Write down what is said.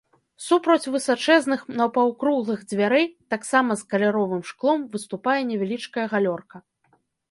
Супроць высачэзных напаўкруглых дзвярэй, таксама з каляровым шклом, выступае невялічкая галёрка.